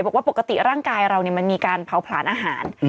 บอกว่าปกติร่างกายเรามันมีการเผาผลาญอาหาร